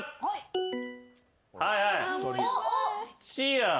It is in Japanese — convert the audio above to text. はいはい。